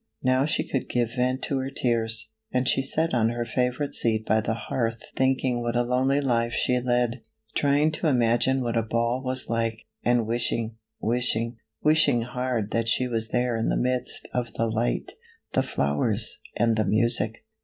Now she could give vent to her tears, and she sat on her favorite seat by the hearth thinking what a lonely life she led, trying to imagine what a ball was like, and wishing, wishing, wishing hard that she was there in the midst of the light, the flowers, and the music.